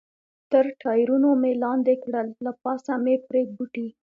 تر ټایرونو مې لاندې کړل، له پاسه مې پرې بوټي.